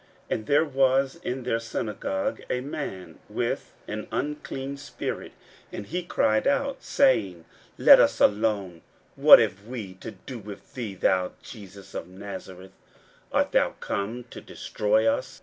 41:001:023 And there was in their synagogue a man with an unclean spirit; and he cried out, 41:001:024 Saying, Let us alone; what have we to do with thee, thou Jesus of Nazareth? art thou come to destroy us?